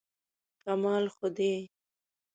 کمال ښودی.